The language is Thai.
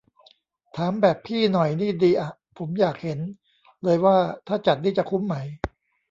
ถามแบบพี่หน่อยนี่ดีอะ ผมอยากเห็น เลยว่าถ้าจัดนี่จะคุ้มไหม